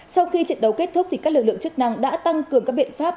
sau khi trận đấu kết thúc các lực lượng chức năng đã tăng cường các biện pháp